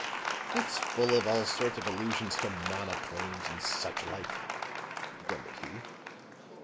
"It's full of all sorts of allusions to monoplanes and such like," grumbled he.